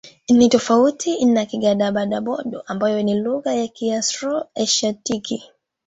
Ni tofauti na Kigadaba-Bodo ambayo ni lugha ya Kiaustro-Asiatiki.